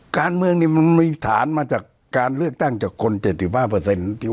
การเมืองมันมีฐานมาจากการเลือกตั้งจากคน๗๕ที่ว่าเนี่ย